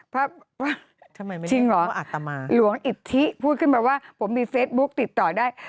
เพราะว่าจริงเหรอหลวงอิทธิพูดขึ้นมาว่าผมมีเฟซบุ๊กติดต่อได้